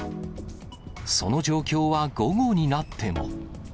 その状況は午後になっても。